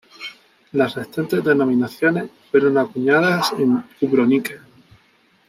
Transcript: Las restantes denominaciones fueron acuñadas en Cupro-Níquel.